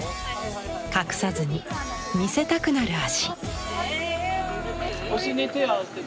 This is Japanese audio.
隠さずに見せたくなる足。